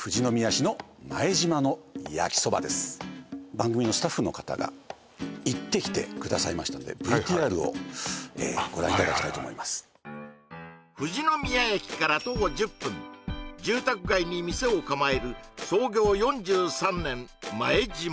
番組のスタッフの方が行ってきてくださいましたのでＶＴＲをご覧いただきたいと思います富士宮駅から徒歩１０分住宅街に店を構える創業４３年前島